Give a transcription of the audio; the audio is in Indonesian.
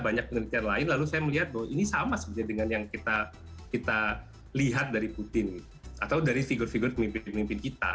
banyak penelitian lain lalu saya melihat bahwa ini sama sebenarnya dengan yang kita lihat dari putin atau dari figur figur pemimpin pemimpin kita